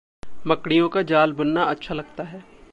मकड़ियों को जाल बुनना अच्छा लगता है।